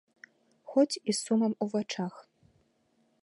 Хоць і з сумам у вачах.